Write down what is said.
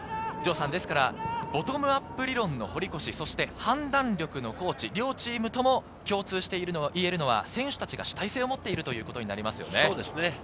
ボトムアップ理論の堀越、そして判断力の高知、両チームとも共通しているのは、選手たちが主体性を持っているということですね。